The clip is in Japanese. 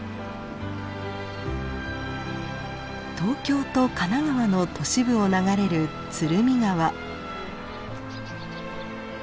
東京と神奈川の都市部を流れる鶴見川。